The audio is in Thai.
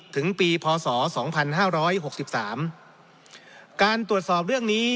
ถึงปีพศสองพันห้าร้อยหกสิบสามการตรวจสอบเรื่องนี้